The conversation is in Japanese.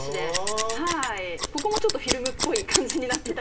ここもちょっとフィルムっぽい感じになってたり。